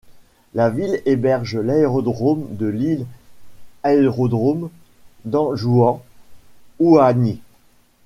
La ville héberge l'aérodrome de l'île Aérodrome d'Anjouan-Ouani.